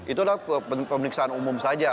itu adalah pemeriksaan umum saja